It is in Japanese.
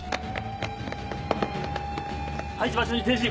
配置場所に転進！